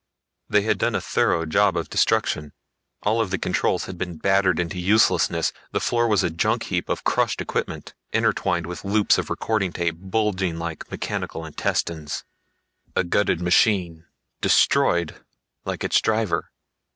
They had done a thorough job of destruction. All of the controls had been battered into uselessness, the floor was a junk heap of crushed equipment, intertwined with loops of recording tape bulging like mechanical intestines. A gutted machine, destroyed like its driver.